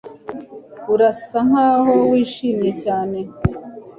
Urasa nkaho wishimye cyane